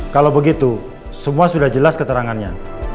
kalau begitu semua sudah jelas keterangannya